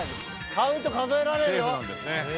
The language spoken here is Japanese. カウント数えられるよ。